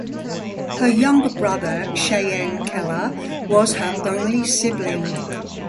Her younger brother Chanan Kella was her only sibling.